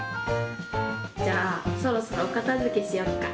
じゃあそろそろおかたづけしよっか。